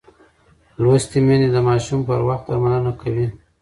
لوستې میندې د ماشوم پر وخت درملنه کوي.